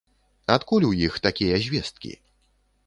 Адкуль у іх такія звесткі?